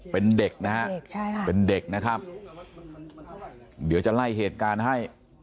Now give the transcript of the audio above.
เป็นเด็กนะครับเดี๋ยวจะไล่เหตุการณ์ให้